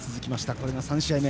これが３試合目。